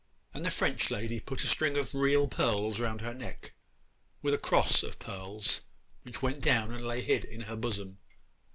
And the French lady put a string of real pearls round her neck, with a cross of pearls, which went down and lay hid in her bosom.